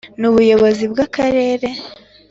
n ubuyobozi bw Akarere